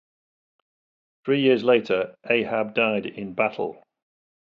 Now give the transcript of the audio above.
Three years later, Ahab died in battle.